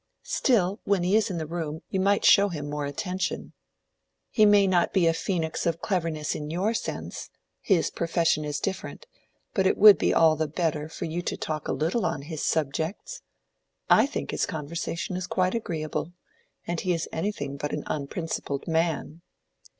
"Still, when he is in the room, you might show him more attention. He may not be a phoenix of cleverness in your sense; his profession is different; but it would be all the better for you to talk a little on his subjects. I think his conversation is quite agreeable. And he is anything but an unprincipled man."